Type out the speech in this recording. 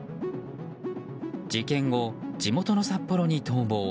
事件後、地元の札幌に逃亡。